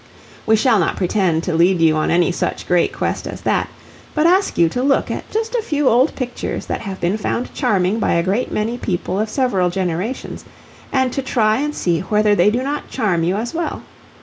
We shall not pretend to lead you on any such great quest as that, but ask you to look at just a few old pictures that have been found charming by a great many people of several generations, and to try and see whether they do not charm you as well.